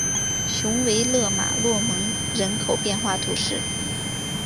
雄维勒马洛蒙人口变化图示